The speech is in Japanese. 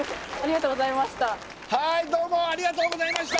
はいどうもありがとうございました